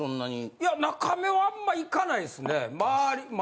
いやなかめはあんま行かないっすね。